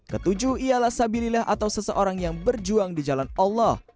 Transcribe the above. ketujuh ialah sabilillah atau seseorang yang berjuang di jalan allah